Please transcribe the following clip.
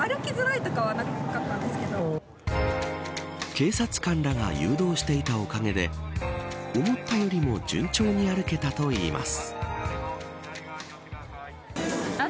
警察官らが誘導していたおかげで思ったよりも順調に歩けたといいます。